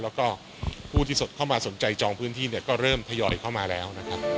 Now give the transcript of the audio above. แล้วก็ผู้ที่เข้ามาสนใจจองพื้นที่ก็เริ่มทยอยเข้ามาแล้ว